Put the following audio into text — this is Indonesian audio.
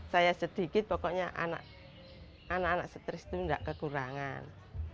saya sedikit pokoknya anak anak stres itu tidak kekurangan